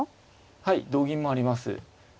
はい同銀もあります。